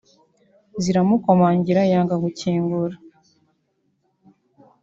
ziramukomangira yanga gukingura